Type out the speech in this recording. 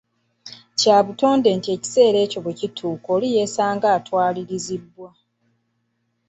Kya butonde nti ekiseera ekyo bwe kituuka oli yeesanga nga atwalirizibbwa.